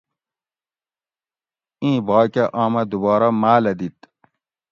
ایں باکہ آمہ دوبارہ ماۤلہ دِت